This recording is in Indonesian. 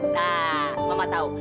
nah mama tahu